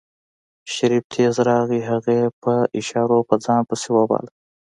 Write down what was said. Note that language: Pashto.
شريف تېز راغی هغه يې په اشارو په ځان پسې وباله.